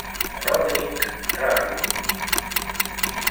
Roderick Riley